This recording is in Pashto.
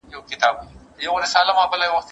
له بدو خلکو لرې اوسئ.